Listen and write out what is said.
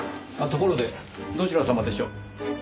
ところでどちら様でしょう？